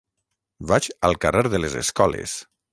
Vaig al carrer de les Escoles.